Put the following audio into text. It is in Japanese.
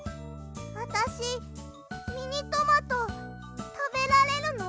あたしミニトマトたべられるの？